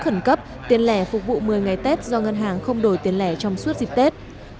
khẩn cấp tiền lẻ phục vụ một mươi ngày tết do ngân hàng không đổi tiền lẻ trong suốt dịp tết